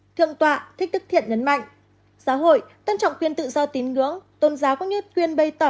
thượng tọa thích đức thiện nhấn mạnh giáo hội tân trọng quyền tự do tín ngưỡng tôn giáo có nhất quyền bày tỏ